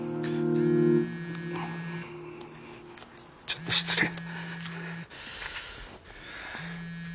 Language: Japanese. ちょっと失礼。